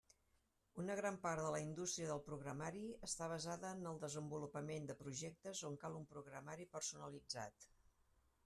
Una gran part de la indústria del programari està basada en el desenvolupament de projectes on cal un programari personalitzat.